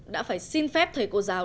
đã phải xin phép thầy cô giáo